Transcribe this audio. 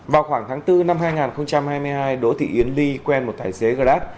vào khoảng tháng bốn năm hai nghìn hai mươi hai đỗ thị yến ly quen một tài xế grab